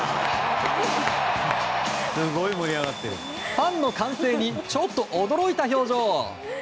ファンの歓声にちょっと驚いた表情。